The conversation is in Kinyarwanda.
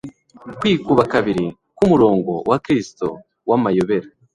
Kwikuba kabiri kumurongo wa Kristo w'amayobera